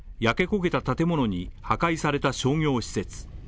焼け焦げた建物に、破壊された商業施設。